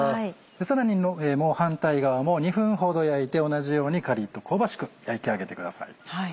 さらにもう反対側も２分ほど焼いて同じようにカリっと香ばしく焼き上げてください。